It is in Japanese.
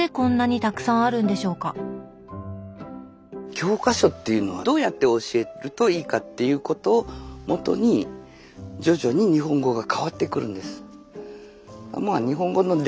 教科書っていうのはどうやって教えるといいかっていうことをもとに徐々に日本語が変わってくるんです。